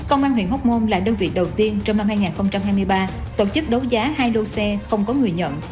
công an huyện hóc môn là đơn vị đầu tiên trong năm hai nghìn hai mươi ba tổ chức đấu giá hai lô xe không có người nhận